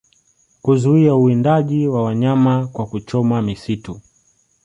kuzuia uwindaji wa wanyama kwa kuchoma misitu